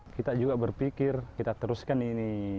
kita juga berpikir kita teruskan ini